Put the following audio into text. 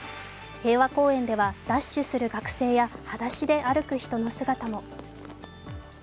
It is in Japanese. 平和公園ではダッシュする学生や、はだしで歩く人の姿も。